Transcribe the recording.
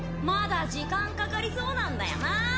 まだ時間かかりそうなんだよな。